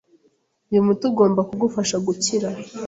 Uyu muti ugomba kugufasha gukira.